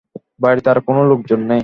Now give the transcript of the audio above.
বাড়িতে আর কোনো লোকজন নেই।